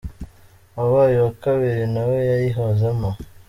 wabaye uwa kabiri nawe yayihozemo.